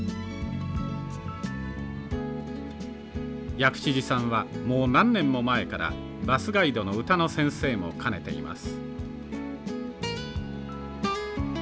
薬師寺さんはもう何年も前からバスガイドの歌の先生も兼ねています。